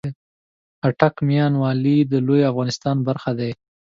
آټک ، ميان والي د لويې افغانستان برخه دې